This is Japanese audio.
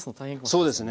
そうですね。